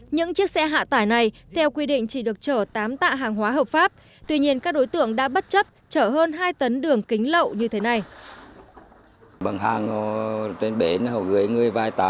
những chiếc xe hạ tải này theo quy định chỉ được chở tám tạ hàng hóa hợp pháp tuy nhiên các đối tượng đã bất chấp chở hơn hai tấn đường kính lậu như thế này